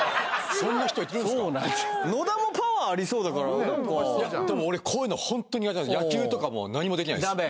そうなんだよ野田もパワーありそうだからなんかでも俺こういうのホント苦手なんです野球とかも何もできないですダメ？